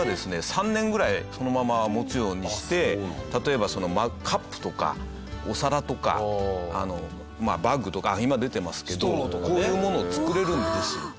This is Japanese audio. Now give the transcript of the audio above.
３年ぐらいそのまま持つようにして例えばカップとかお皿とかバッグとかあっ今出てますけどこういうものを作れるんですよ。